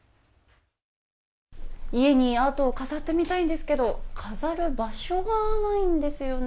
家にアートを飾ってみたいんですけど飾る場所がないんですよね。